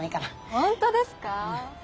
本当ですか？